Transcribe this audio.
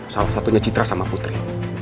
salah satunya citra sama putri